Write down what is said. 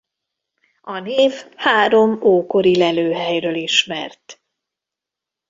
A név három ókori lelőhelyről ismert.